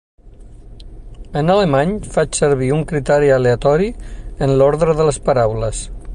En alemany, faig servir un criteri aleatori en l'ordre de les paraules.